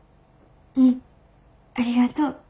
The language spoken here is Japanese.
うんありがとう。